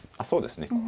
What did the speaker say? そうですね。